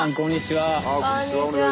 はい。